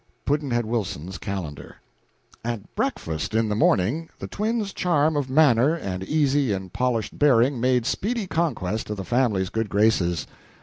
Pudd'nhead Wilson's Calendar. At breakfast in the morning the twins' charm of manner and easy and polished bearing made speedy conquest of the family's good graces.